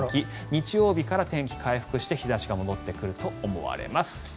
日曜日から天気が回復して日差しが戻ってくると思われます。